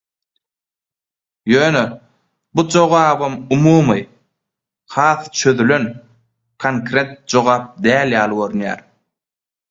Ýöne bu jogabam umumy, has çözülen, konkret jogap däl ýaly görünýär.